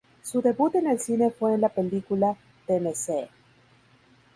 Su debut en el cine fue en la película "Tennessee".